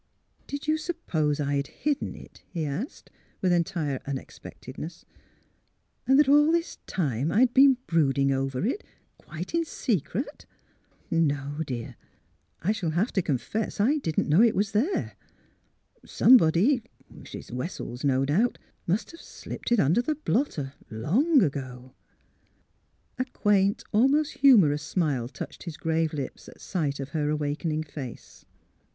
'' Did you suppose I had hidden it? " he asked, with entire unexpectedness. *' And that all this time I had been brooding over it — quite in secret? No, dear; I shall have to confess I didn't know it was there. Somebody — Mrs. Wessels, no doubt THE CONFESSION 251 — must have slipped it under the blotter — long ago. '' A quaint, almost humorous smile touched his grave lips at sight of her awakening face.